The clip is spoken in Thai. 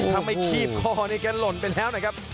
ทำไมขีบคอนี่กันหล่นไปแล้วนะครับ